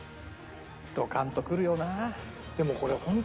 ドカンとくるよな。